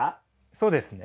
そうですね。